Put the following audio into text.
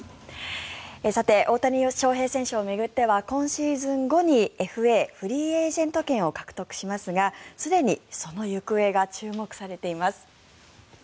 さて、大谷翔平選手を巡っては今シーズン後にＦＡ・フリーエージェント権を獲得しますが、すでにその行方が注目されています。